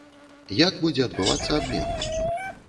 Як будзе адбывацца абмен?